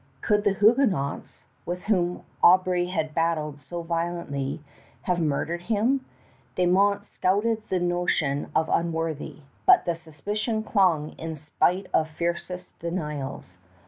Could the Huguenots, with whom Aubry had battled so violently, have murdered him? De Monts scouted the notion as unworthy, but the suspicion clung in spite of fiercest denials.